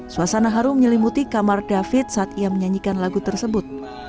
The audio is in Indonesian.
suasana harum menyelimuti kamar david saat ia menyanyikan lagu tersebut